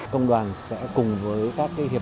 công đoàn sẽ cùng với các doanh nghiệp